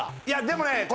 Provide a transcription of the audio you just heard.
いやでもね